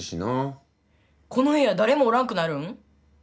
このへやだれもおらんくなるん？